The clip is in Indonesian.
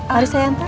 mari saya hantar